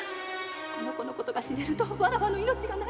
〔この子のことが知れるとわらわの命がない〕